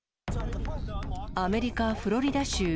アメリカ・フロリダ州。